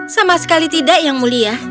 sama sekali tidak yang mulia